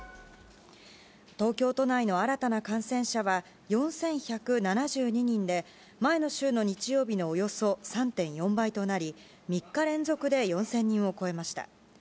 東京都内の新たな感染者は４１７２人で前の週の日曜日のおよそ３．４倍となり３日連続で４０００人を超えました。